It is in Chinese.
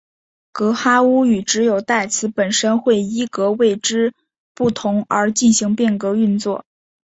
噶哈巫语只有代词本身会依格位之不同而进行变格运作。